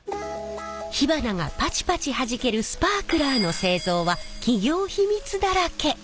火花がパチパチはじけるスパークラーの製造は企業秘密だらけ！